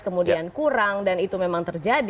kemudian kurang dan itu memang terjadi